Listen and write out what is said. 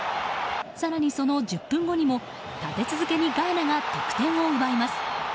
更にその１０分後にも立て続けにガーナが得点を奪います。